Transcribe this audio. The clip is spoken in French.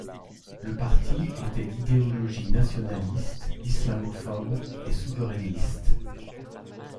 Le parti était d'idéologie nationaliste, islamophobe et souverainiste.